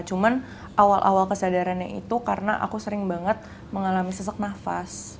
cuman awal awal kesadarannya itu karena aku sering banget mengalami sesak nafas